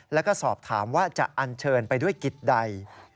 แล้วก็สอบถามว่าจะอันเชิญไปด้วยกิจใด